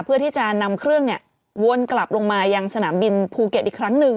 เพื่อที่จะนำเครื่องวนกลับลงมายังสนามบินภูเก็ตอีกครั้งหนึ่ง